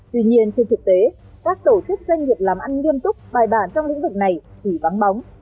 tuy nhiên trên thực tế các tổ chức doanh nghiệp làm ăn nghiêm túc bài bản trong lĩnh vực này thì vắng bóng